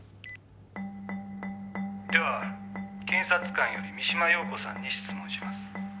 では検察官より三島陽子さんに質問します」